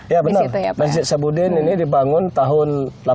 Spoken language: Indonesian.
ya benar masjid sabudin ini dibangun tahun seribu delapan ratus delapan puluh